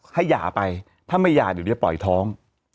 ให้หยาไปถ้าไม่หยาจะปล่อยท้อง